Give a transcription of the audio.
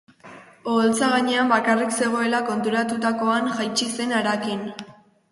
Oholtza gainean bakarrik zegoela konturatutakoan jaitsi zen Harakin.